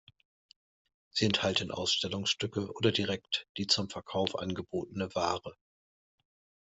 Sie enthalten Ausstellungsstücke oder direkt die zum Verkauf angebotene Ware.